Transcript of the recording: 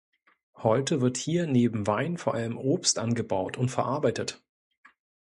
Heute wird hier neben Wein vor allem Obst angebaut und verarbeitet.